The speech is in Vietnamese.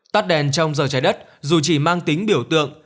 tắt đèn trong giờ trái đất dù chỉ mang tính biểu tượng